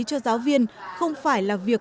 cho giáo viên không phải là việc